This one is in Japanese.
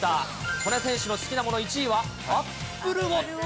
戸根選手の好きなもの１位は、アップルウォッチ。